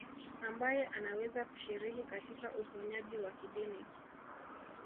Ambaye anaweza kushiriki katika uponyaji wa kidini